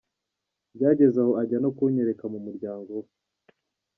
Byagezaho ajya no kunyerekana mumuryango we.